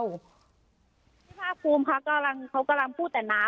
พี่ภาคภูมิค่ะกำลังเขากำลังพูดแต่น้า